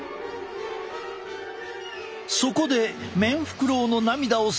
そこでメンフクロウの涙を採取。